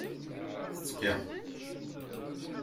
Tettekka.